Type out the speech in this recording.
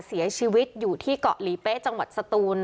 เสียชีวิตอยู่ที่เกาะหลีเป๊ะจังหวัดสตูน